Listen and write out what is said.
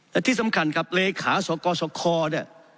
และที่สำคัญครับเลขาสกสคเนี่ย